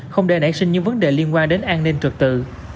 không để nảy sinh những vấn đề liên quan đến an ninh trật tự